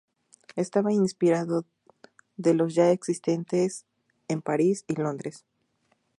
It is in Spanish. Estaba inspirado de los ya existentes en París y Londres.